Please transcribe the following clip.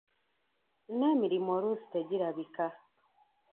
N’emirimu oluusi tegirabika.